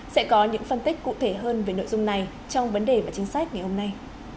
sẽ có những phân tích cụ thể hơn về nội dung này trong vấn đề và chính sách ngày hôm nay